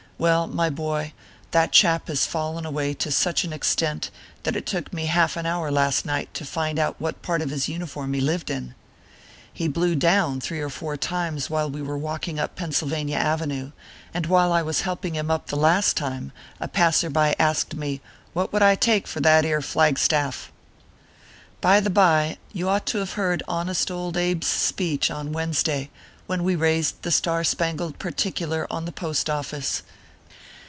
Well, my boy, that chap has fallen away to such an ex tent that it took me half an hour last night to find out what part of his uniform he lived in. He blew down three or four times while we were walking up Pennsylvania avenue ; and while I was helping him 40 ORPHEUS C. KERR PAPEKS. up the last time, a passer by asked me "What I would take for that ere flag staff ?" By the by, you ought to have heard Honest Old Abe s speech, on Wednesday, when we raised the Star spangled particular on the Post office.